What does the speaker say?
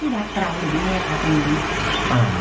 ที่รักเราหรือเมฆครับคุณ